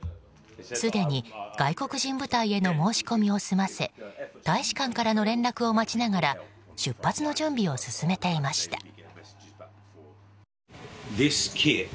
すでに外国人部隊への申し込みを済ませ大使館からの連絡を待ちながら出発の準備を進めていました。